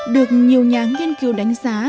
được nhiều nhà nghiên cứu đánh giá